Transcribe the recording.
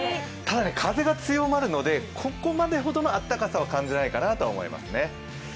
ただ風が強まるのでここまでほどの暖かさは感じないかなと思いますね。